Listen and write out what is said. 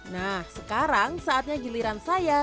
nah sekarang saatnya giliran saya